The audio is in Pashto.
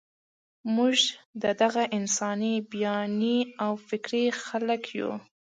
موږ د دغه انساني بیانیې او فکر خلک یو.